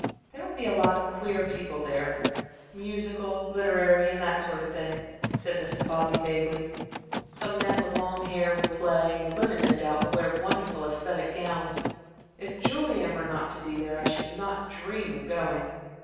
"There will be a lot of queer people there musical, literary, and that sort of thing," said Mrs. Bobby, vaguely. "Some men with long hair will play, and the women, no doubt, will wear wonderful æsthetic gowns. If Julian were not to be there, I should not dream of going.